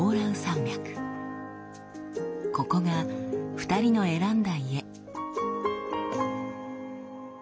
ここが２人の選んだ家。